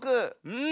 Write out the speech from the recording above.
うん。